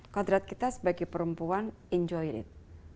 kodrat kita sebagai perempuan enjoy it